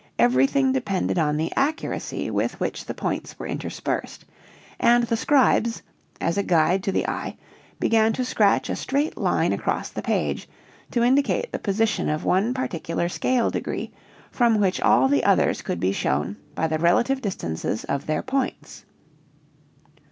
everything depended on the accuracy with which the points were interspersed, and the scribes, as a guide to the eye, began to scratch a straight line across the page to indicate the position of one particular scale degree from which all the others could be shown by the relative distances of their points.